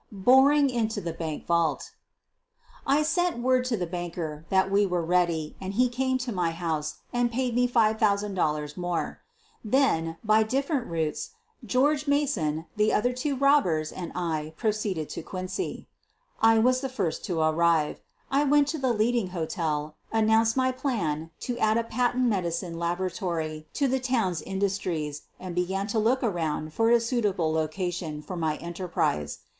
BORING INTO THE BANK VAULT I sent word to the banker that we were ready and he came to my house and paid me $5,000 more. Th<sn, by different routes, George Mason, the other two robbers and I proceeded to Quincy. I was the first to arrive. I went to the leading hotel, announced my plan to add a patent medicine laboratory to the town 's industries and began to look around for a suitable location for my enterprise.